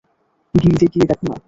গিল্ডে গিয়ে দেখো না।